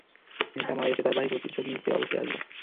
মেয়েটা মারা গেছে তার ভাই প্রতিশোধ নিতে অবশ্যই আসবে?